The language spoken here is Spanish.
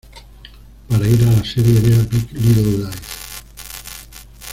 Para ir a la serie, vea" Big Little Lies.